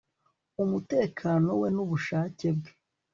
umutekano we nubushake bwe